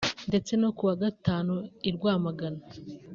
ndetse no ku wa Gatanu i Rwamagana